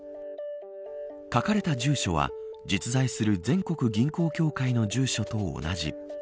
書かれた住所は実在する全国銀行協会の住所と同じ。